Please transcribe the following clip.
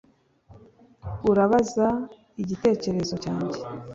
Urabaza igitekerezo cyanjye